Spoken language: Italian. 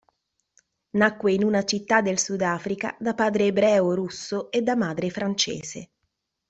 Nacque in una città del Sudafrica da padre ebreo russo e da madre francese.